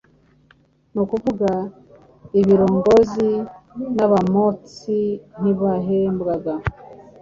ni ukuvuga ibirongozi n' abamotsi, ntibahembwaga.